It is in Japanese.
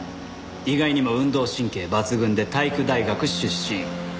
意外にも運動神経抜群で体育大学出身。